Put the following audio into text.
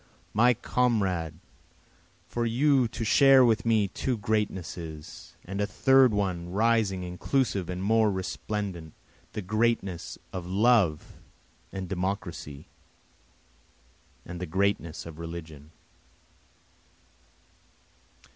My comrade! For you to share with me two greatnesses, and a third one rising inclusive and more resplendent, The greatness of Love and Democracy, and the greatness of Religion.